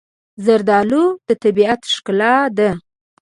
زردالو د طبیعت ښکلا ده.